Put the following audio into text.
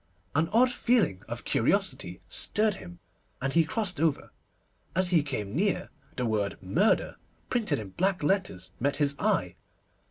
An odd feeling of curiosity stirred him, and he crossed over. As he came near, the word 'Murder,' printed in black letters, met his eye.